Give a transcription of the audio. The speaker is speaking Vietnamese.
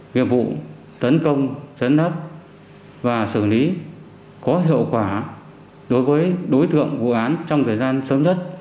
nghiệp vụ tấn công chấn hấp và xử lý có hiệu quả đối với đối tượng vụ án trong thời gian sớm nhất